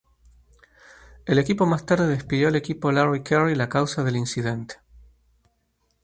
El equipo más tarde despidió al equipo Larry Curry la causa del incidente.